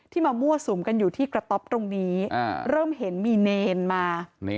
มามั่วสุมกันอยู่ที่กระต๊อบตรงนี้เริ่มเห็นมีเนรมา